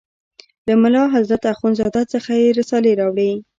له ملا حضرت اخوند زاده څخه یې رسالې راوړې.